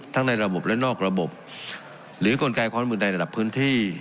ในระบบและนอกระบบหรือกลไกความอื่นใดระดับพื้นที่